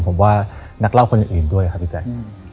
ผมว่านักเล่าคนอื่นด้วยครับพี่แจ๊ค